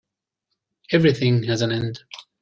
Everything has an end.